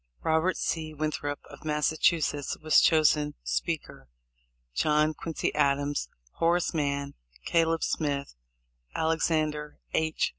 Robert C. Winthrop, of Massa chusetts, was chosen Speaker. John Quincy Adams, Horace Mann, Caleb Smith, Alexander H.